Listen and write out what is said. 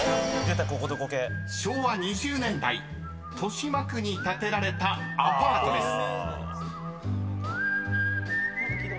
［昭和２０年代豊島区に建てられたアパートです］